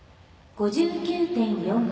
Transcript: ５９．４９。